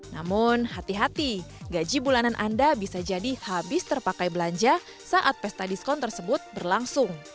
namun hati hati gaji bulanan anda bisa jadi habis terpakai belanja saat pesta diskon tersebut berlangsung